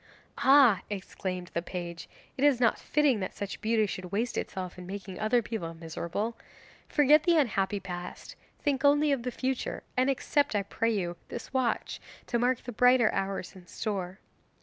'Ah,' exclaimed the page, 'it is not fitting that such beauty should waste itself in making other people miserable. Forget the unhappy past and think only of the future. And accept, I pray you, this watch, to mark the brighter hours in store.